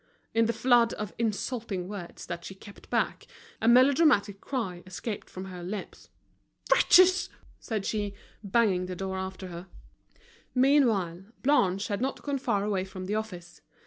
In the flood of insulting words that she kept back, a melodramatic cry escaped from her lips. "Wretches!" said she, banging the door after her. Meanwhile Blanche had not gone far away from the office.